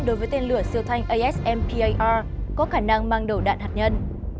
đối với tên lửa siêu thanh asmpar có khả năng mang đầu đạn hạt nhân